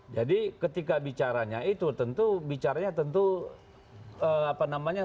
jadi ketika bicaranya itu tentu bicaranya tentu apa namanya